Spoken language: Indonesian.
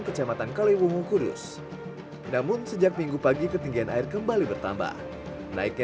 kecamatan kaliwungu kudus namun sejak minggu pagi ketinggian air kembali bertambah naiknya